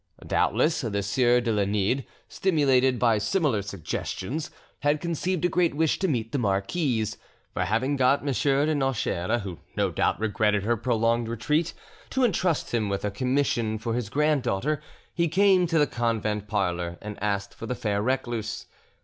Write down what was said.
Doubtless, the sieur de Lenide, stimulated by similar suggestions, had conceived a great wish to meet the marquise; for, having got M. de Nocheres who no doubt regretted her prolonged retreat—to entrust him with a commission for his granddaughter, he came to the convent parlour and asked for the fair recluse.